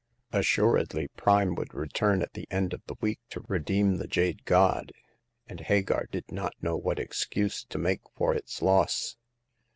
Assuredly Prime would return at the end of the week to redeem the jade god, and Hagar did not know what excuse to make for its loss.